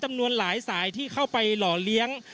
จำนวนหลายสายที่เข้าไปหล่อเลี้ยง